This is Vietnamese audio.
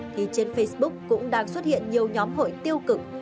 thì trên facebook cũng đang xuất hiện nhiều nhóm hội tiêu cực